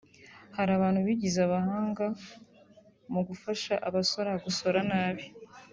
“Hari abantu bigize abahanga mu gufasha abasora gusora nabi”